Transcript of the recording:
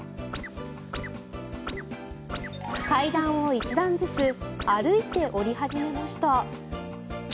階段を１段ずつ歩いて下り始めました。